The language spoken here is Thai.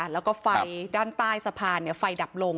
แล้วก็ไฟด้านใต้สะพานไฟดับลง